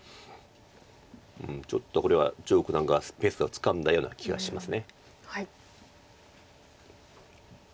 ちょっとこれは張栩九段がペースをつかんだような気がします。